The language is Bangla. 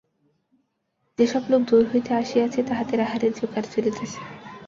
যে-সব লোক দূর হইতে আসিয়াছে তাহাদের আহারের জোগাড় চলিতেছে।